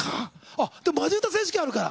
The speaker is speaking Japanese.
あっでもマジ歌選手権あるから！